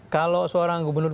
kalau seorang gubernur